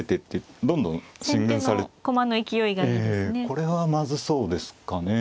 これはまずそうですかね。